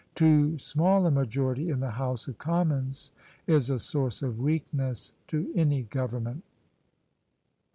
Too small a majority in the House of Commons is a source of weakness to any Government."